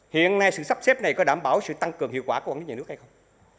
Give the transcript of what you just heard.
hiện nay sự sắp xếp này có đảm bảo sự tăng cường hiệu quả của quản lý nhà nước hay không